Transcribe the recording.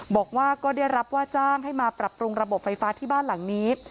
บอกว่าก็ได้รับว่าจ้างให้มาปรับปรุงระบบไฟฟ้าที่บ้านหลังนี้